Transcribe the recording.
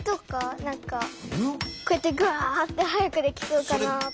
こうやってガーッてはやくできそうかなって。